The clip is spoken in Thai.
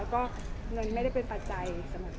เราก็ห้ามตรงนั้นไม่ได้ตัวพี่ก็พูดได้ในสิ่งที่พูดได้แค่นี้